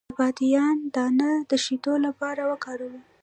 د بادیان دانه د شیدو لپاره وکاروئ